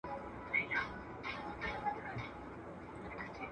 ماشوم به بیا هیڅکله دا کار تکرار نه کړي.